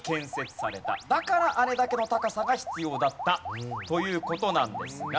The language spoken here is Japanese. だからあれだけの高さが必要だったという事なんですが。